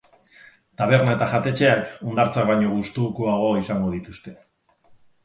Taberna eta jatetxeak hondartzak baino gustukoago izango dituzte.